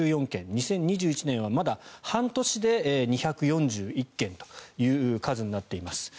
２０２１年はまだ半年で２４１件という数になっています。